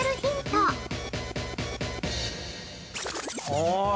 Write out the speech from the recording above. ◆はい。